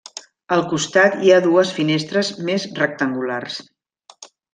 Al costat hi ha dues finestres més rectangulars.